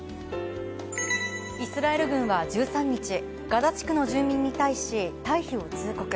イスラエル軍は、１３日ガザ地区の住民に対し退避を通告。